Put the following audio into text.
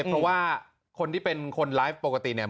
เพราะว่าคนที่เป็นคนไลฟ์ปกติเนี่ย